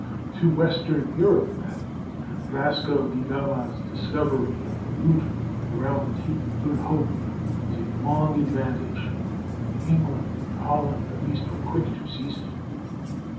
To western Europe, then, Vasco de Gama's discovery of the route around the Cape of Good Hope was a long advantage, and England and Holland at least were quick to seize it.